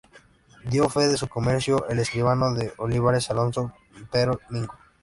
Dio fe de su comienzo el escribano de Olivares Alonso Pero Mingo.